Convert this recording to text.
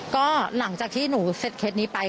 ก็หลังจากที่หนูเสร็จเคสนี้ไป